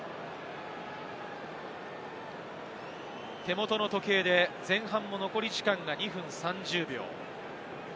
手元の時計で前半残り時間２分３０秒。